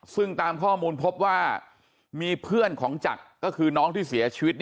ซึ่งตามข้อมูลพบว่ามีเพื่อนของจักรก็คือน้องที่เสียชีวิต